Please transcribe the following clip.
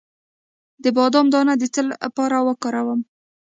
د بادام دانه د څه لپاره وکاروم؟